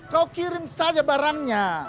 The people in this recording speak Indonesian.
kau kirim saja barangnya